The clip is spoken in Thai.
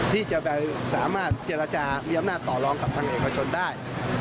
ที่จะไปสามารถเจรจามีอำนาจต่อรองกับทางเอกชนได้